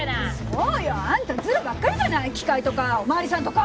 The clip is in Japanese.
そうよあんたズルばっかりじゃない機械とかおまわりさんとか！